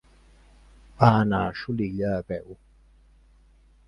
Va anar a Xulilla a peu.